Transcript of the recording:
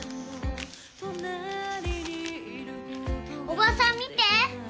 おばさん見て！